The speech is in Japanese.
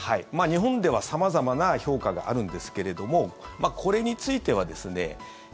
日本では様々な評価があるんですけれどもこれについてはですね